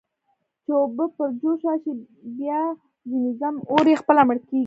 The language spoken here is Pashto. چې اوبه پر جوش راشي، بیا ځنې ځم، اور یې خپله مړ کېږي.